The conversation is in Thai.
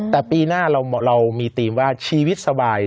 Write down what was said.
แต่ปีหน้าเรามีธีมว่าชีวิตสบาย